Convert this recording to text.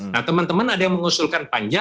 nah teman teman ada yang mengusulkan panja